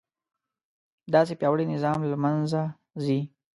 داسې پیاوړی نظام له منځه ځي.